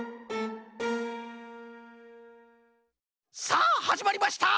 さあはじまりました！